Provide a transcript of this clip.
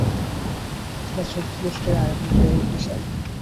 তোমার চৌদ্দ গোষ্ঠীর আয় এবং ব্যয়ের হিসাব।